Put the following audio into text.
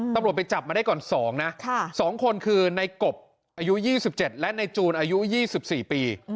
ตำรวจไปจับมาได้ก่อน๒นะ๒คนคือในกบอายุ๒๗และในจูนอายุ๒๔ปี